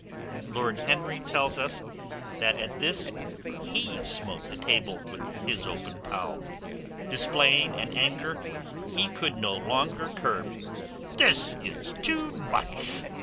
Lord Henry tells us that at this he smote the table with his open palm, displaying an anger he could no longer curb. "This is too much!"